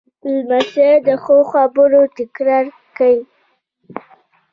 لمسی د ښو خبرو تکرار کوي.